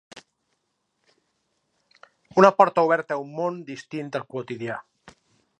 Una porta oberta a un món distint al quotidià...